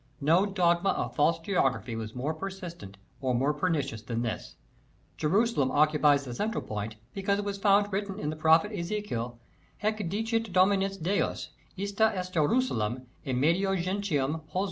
* No dogma of false geography was more persistent or more pernicious than this. Jerusalem occupies the central point, because it was found written in the Prophet Ezekiel :" Haec dicit Dominus Deus : Ista est Jerusalem^ in medio gentium /^jr?